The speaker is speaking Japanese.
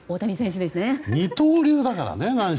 二刀流ですからね。